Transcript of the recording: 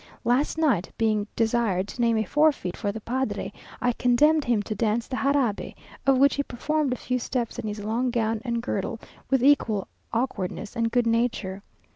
Last night, being desired to name a forfeit for the padre, I condemned him to dance the jarabe, of which he performed a few steps in his long gown and girdle, with equal awkwardness and good nature.